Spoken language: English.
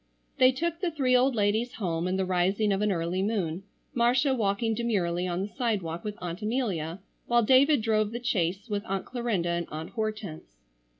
They took the three old ladies home in the rising of an early moon, Marcia walking demurely on the sidewalk with Aunt Amelia, while David drove the chaise with Aunt Clarinda and Aunt Hortense.